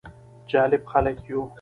جالب خلک يو: